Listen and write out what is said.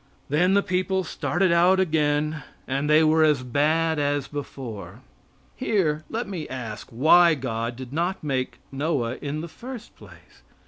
Then the people started out again, and they were as bad as before. Here let me ask why God did not make Noah in the first place?